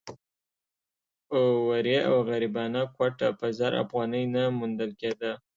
ورې او غریبانه کوټه په زر افغانۍ نه موندل کېده.